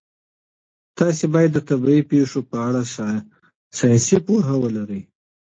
تاسي باید د طبیعي پېښو په اړه ساینسي پوهه ولرئ.